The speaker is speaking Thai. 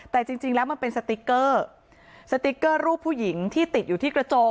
แต่จริงแล้วมันเป็นสติ๊กเกอร์สติ๊กเกอร์รูปผู้หญิงที่ติดอยู่ที่กระโจ